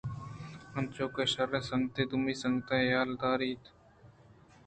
انچو کہ شرّیں سنگتے دومی سنگت ءِ حیال ءَ داریت